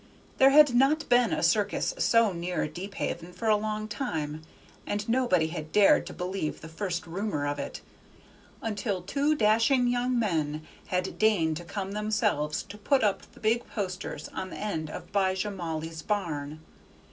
There had not been a circus so near Deephaven for a long time, and nobody had dared to believe the first rumor of it, until two dashing young men had deigned to come themselves to put up the big posters on the end of 'Bijah Mauley's barn.